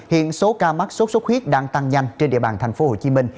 hiện số ca mắc sốt sốt huyết đang tăng nhanh trên địa bàn tp hcm